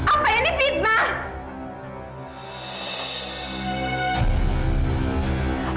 apa ini fitnah